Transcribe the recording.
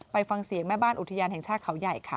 ฟังเสียงแม่บ้านอุทยานแห่งชาติเขาใหญ่ค่ะ